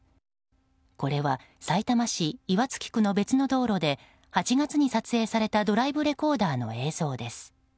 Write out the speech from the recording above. これは、さいたま市岩槻区の別の道路で８月に撮影されたドライブレコーダーの映像です。